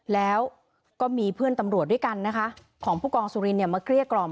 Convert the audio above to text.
แล้วก็มีเพื่อนตำรวจด้วยกันนะคะของผู้กองสุรินเนี่ยมาเกลี้ยกล่อม